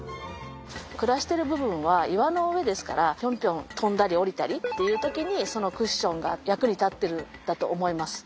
暮らしてる部分は岩の上ですからピョンピョン跳んだり下りたりっていう時にそのクッションが役に立ってるんだと思います。